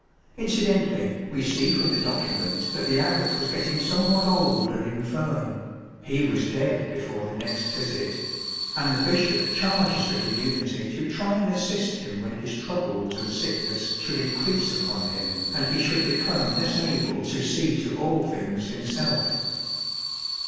Incidentally we see from the document that the abbot was getting somewhat old and infirm — he was dead before the next visit — and the bishop charges the community to try and assist him when his troubles and sickness should increase upon him and he should become less able to see to all things himself.